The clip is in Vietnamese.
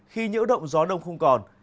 khi nhiễu động gió đông không còn